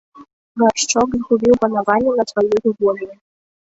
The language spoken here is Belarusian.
Гаршчок згубіў панаванне над сваёю воляю.